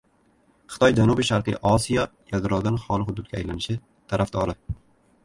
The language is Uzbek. Xitoy Janubi-Sharqiy Osiyo yadrodan holi hududga aylanishi tarafdori